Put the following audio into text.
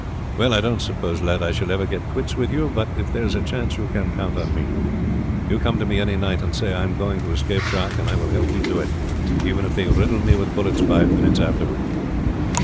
Well, I don't suppose, lad, I shall ever get quits with you, but if there is a chance you can count upon me. You come to me any night and say I am going to escape, Jacques, and I will help you to do it, even if they riddle me with bullets five minutes afterward."